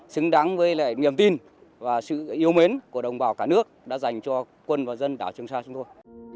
xứng đáng với lại niềm tin và sự yêu mến của đồng bào cả nước đã dành cho quân và dân đảo trường sa chúng tôi